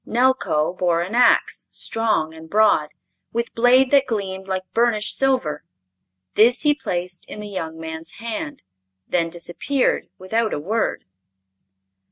Nelko bore an ax, strong and broad, with blade that gleamed like burnished silver. This he placed in the young man's hand, then disappeared without a word.